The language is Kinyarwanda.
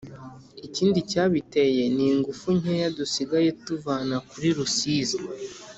Ikindi cyabiteye ni ingufu nkeya dusigaye tuvana kuri Rusizi